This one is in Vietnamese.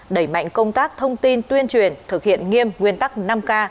đẩy mạnh công tác thông tin tuyên truyền thực hiện nghiêm nguyên tắc năm k